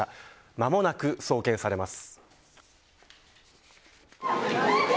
間もなく、送検されます。